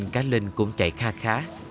cá linh cũng chạy kha khá